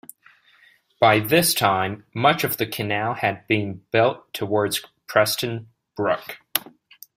By this time, much of the canal had been built towards Preston Brook.